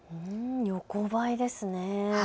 横ばいですね。